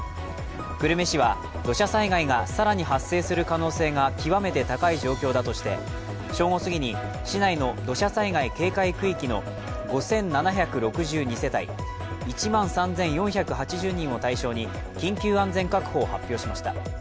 久留米市は、土砂災害が更に発生する可能性が極めて高い状況だとして、正午すぎに市内の土砂災害警戒区域の５７６２世帯、１万３４８０人を対象に、緊急安全確保を発表しました。